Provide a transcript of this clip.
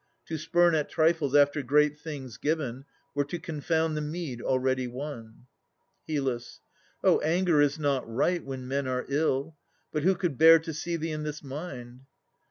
To spurn at trifles after great things given, Were to confound the meed already won. HYL. Oh, anger is not right, when men are ill! But who could bear to see thee in this mind?